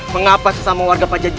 mengapa sesama warga pak jadil